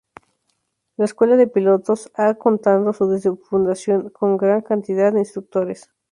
La Escuela de pilotos ha contando desde su fundación con gran cantidad instructores.